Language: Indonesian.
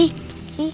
ih kak serem